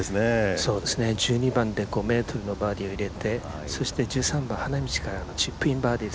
１２番で５ｍのバーディーを入れて１３番、花道からのチップインバーディー。